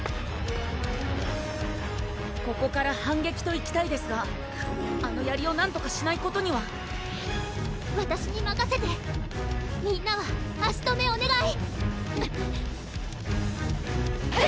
ここから反撃といきたいですがあのやりをなんとかしないことにはわたしにまかせてみんなは足止めおねがい！